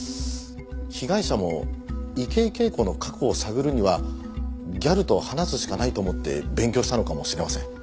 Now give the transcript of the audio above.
被害者も池井景子の過去を探るにはギャルと話すしかないと思って勉強したのかもしれません。